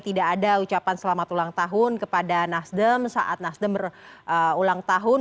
tidak ada ucapan selamat ulang tahun kepada nasdem saat nasdem berulang tahun